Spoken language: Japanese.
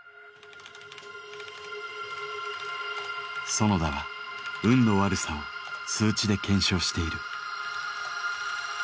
園田は運の悪さを数値で検証している。